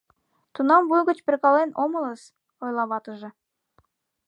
— Тунам вуй гыч перкален омылыс, — ойла ватыже.